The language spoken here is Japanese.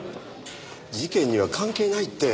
事件には関係ないって。